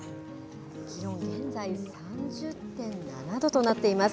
気温、現在３０．７度となっています。